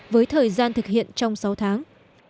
với thời gian thực hiện trong sáu tháng